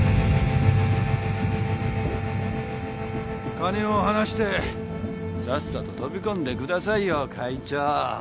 金を放してさっさと飛び込んでくださいよ会長。